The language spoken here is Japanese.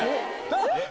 えっ！